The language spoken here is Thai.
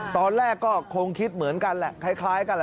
ตอนแรกก็คงคิดเหมือนกันแหละคล้ายกันแหละ